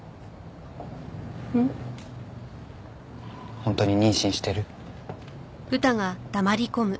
本当に妊娠してる？